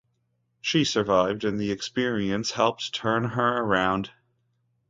She survived and the experience helped turn her around.